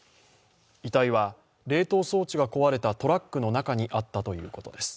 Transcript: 遺体は冷凍装置が壊れたトラックの中にあったということです。